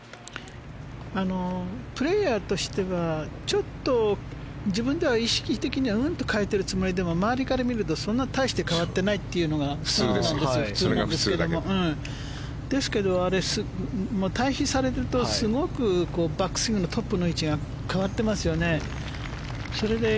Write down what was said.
プレーヤーとしてはちょっと自分では意識的にはうんと変えてるつもりでも周りから見ればそんなに大して変わっていないというのが普通なんですけども対比されるとすごいバックスイングのトップの位置が変わってますよね。